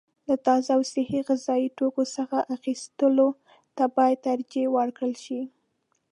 له تازه او صحي غذايي توکو څخه اخیستلو ته باید ترجیح ورکړل شي.